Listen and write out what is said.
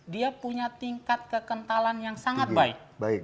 dia punya tingkat kekentalan yang sangat baik